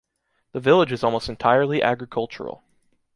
The village is almost entirely agricultural.